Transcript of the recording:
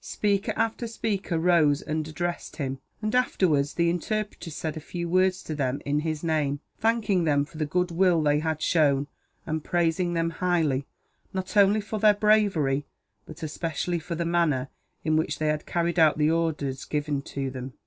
Speaker after speaker rose and addressed him and, afterwards, the interpreter said a few words to them in his name, thanking them for the goodwill they had shown, and praising them highly, not only for their bravery, but especially for the manner in which they had carried out the orders given to them.